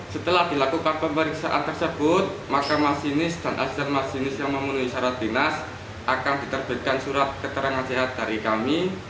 setelah dilakukan pemeriksaan tersebut maka masinis dan asisten masinis yang memenuhi syarat dinas akan diterbitkan surat keterangan sehat dari kami